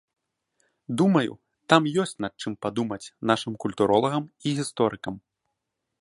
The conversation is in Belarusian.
Думаю, там ёсць над чым падумаць нашым культуролагам і гісторыкам.